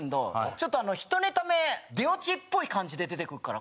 ちょっと１ネタ目出落ちっぽい感じで出てくっから